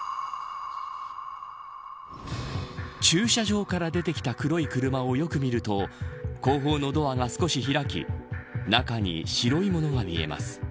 駐車場から出てきた黒い車をよく見ると後方のドアが少し開き中に白いものが見えます。